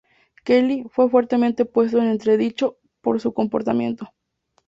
Kelly fue fuertemente puesto en entredicho por su comportamiento.